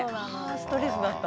ストレスだった。